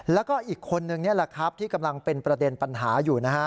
แล้วก็อีกคนนึงนี่แหละครับที่กำลังเป็นประเด็นปัญหาอยู่นะฮะ